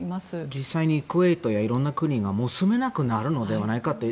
実際にクウェートやいろんな国がもう住めなくなるんじゃないかと。